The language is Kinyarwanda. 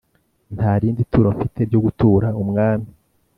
ntarindi turo mfite ryo gutura umwami